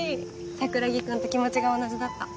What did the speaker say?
桜木くんと気持ちが同じだった。